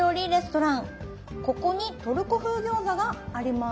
ここにトルコ風餃子があります